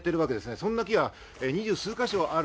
そんな木が２０数か所ある。